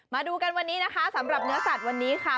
มาดูกันวันนี้นะคะสำหรับเนื้อสัตว์วันนี้ค่ะ